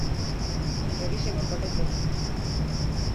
Revisen os boletos!